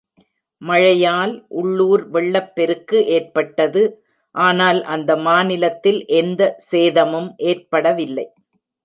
மழையால் உள்ளூர் வெள்ளப்பெருக்கு ஏற்பட்டது, ஆனால் அந்த மாநிலத்தில் எந்த சேதமும் ஏற்படவில்லை.